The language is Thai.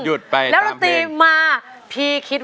หยุดไปตามเพลง